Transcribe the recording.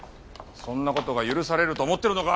そんな事が許されると思ってるのか？